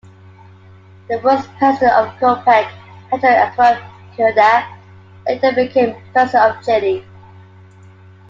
The first president of Copec, Pedro Aguirre Cerda, later became president of Chile.